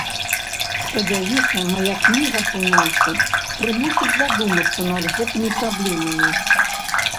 Спадзяюся, мая кніга, прынамсі, прымусіць задумацца над гэтымі праблемамі.